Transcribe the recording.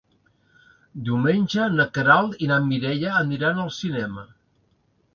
Diumenge na Queralt i na Mireia aniran al cinema.